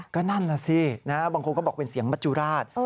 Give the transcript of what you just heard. ก็นั่นน่ะสิบางคนก็บอกเป็นเสียงมัจจุราช